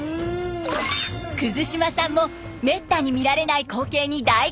島さんもめったに見られない光景に大興奮。